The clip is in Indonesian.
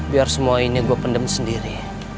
biar semua ini gue pendem sendiri